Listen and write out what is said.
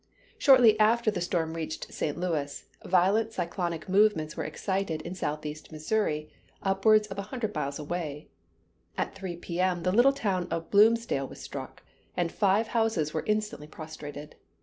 Shortly after the storm reached St. Louis, violent cyclonic movements were excited in southeast Missouri, upwards of a hundred miles away. At 3 P.M. the little town of Bloomsdale was struck, and five houses were instantly prostrated.